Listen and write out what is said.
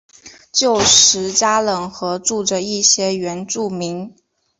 旧时加冷河住着一些原住民。